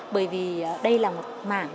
bởi vì đây là một mảng